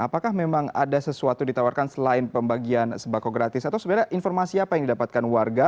apakah memang ada sesuatu ditawarkan selain pembagian sembako gratis atau sebenarnya informasi apa yang didapatkan warga